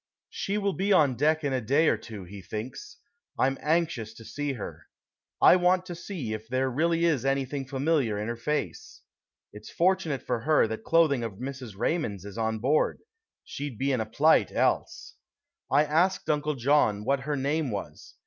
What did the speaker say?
She will be on deck in a day or two, he thinks. I'm anxious to see her. I want to see if there really is anything familiar in her face. It's fortunate for her that clothing of Mrs. Raymond's is on board. She'd be in a plight, else. I asked Uncle John what her name was.